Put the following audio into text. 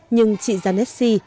nhưng chị gianessi